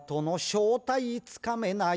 「正体つかめない」？